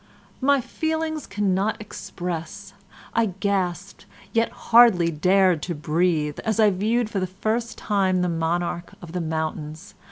"My feelings I cannot express. I gasped, yet hardly dared to breathe, as I viewed for the first time the monarch of the mountains.